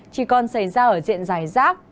chỉ còn xảy ra ở diện giải rác